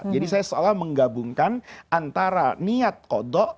jadi saya seolah menggabungkan antara niat kodok